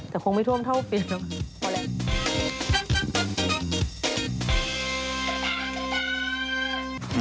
แต่คงไม่ท่วมเท่าปีนนะ